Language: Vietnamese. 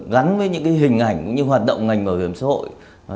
gắn với những hình ảnh cũng như hoạt động ngành bảo hiểm xã hội